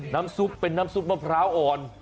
น้ำซุปเป็นน้ำซุปมะพร้าวอ่อน